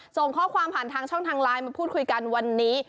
ส่งข้อความผ่านทางช่องทางไลน์มาพูดคุยกันวันนี้